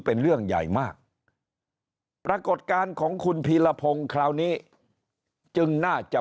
เป็นเรื่องใหญ่มากปรากฏการณ์ของคุณพีรพงศ์คราวนี้จึงน่าจะ